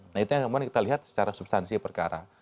nah itu yang kita lihat secara substansi perkara